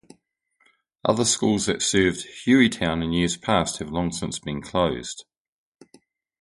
Other schools that served Hueytown in years past have long since been closed.